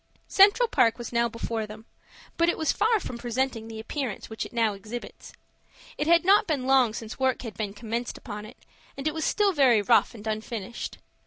Central Park was now before them, but it was far from presenting the appearance which it now exhibits. It had not been long since work had been commenced upon it, and it was still very rough and unfinished.